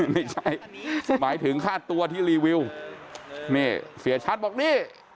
ไม่ใช่หมายถึงค่าตัวที่รีวิวนี่เสียชัดบอกนี่